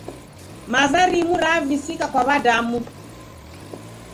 Maza rimu revisika kwa w'adamu.